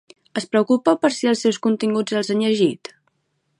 Es preocupa per si els seus coneguts els han llegit?